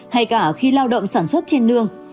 hay cả khi lao động sản xuất trên nương